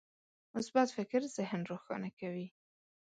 مثبت فکر ذهن روښانه کوي.